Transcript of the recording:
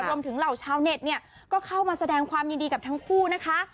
เหล่าชาวเน็ตเนี่ยก็เข้ามาแสดงความยินดีกับทั้งคู่นะคะ